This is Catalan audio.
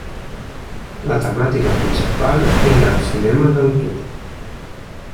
La temàtica principal era el cinema d'autor.